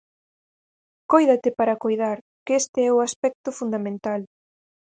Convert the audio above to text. Cóidate para coidar, que este é o aspecto fundamental.